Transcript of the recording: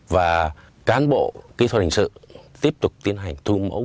và cán bộ kỹ thuật hình sự tiếp tục tiến hành thu mẫu